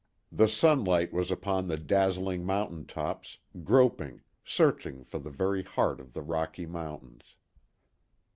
The sunlight was upon the dazzling mountain tops, groping, searching the very heart of the Rocky Mountains.